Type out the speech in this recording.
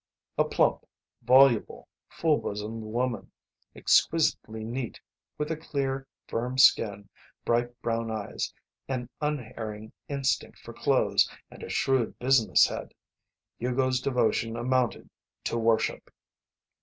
A plump, voluble, full bosomed woman, exquisitely neat, with a clear, firm skin, bright brown eyes, an unerring instinct for clothes, and a shrewd business head. Hugo's devotion amounted to worship.